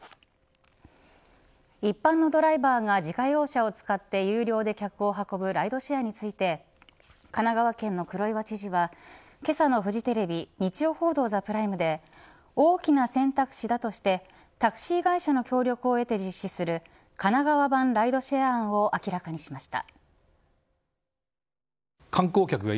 一般のドライバーが自家用車を使って有料で客を運ぶライドシェアついて神奈川県の黒岩知事はけさのフジテレビ日曜報道ＴＨＥＰＲＩＭＥで大きな選択肢だとしてタクシー会社の協力を得て実施する神奈川版ライドシェア案を明らかにしました。